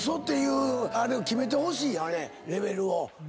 レベルを。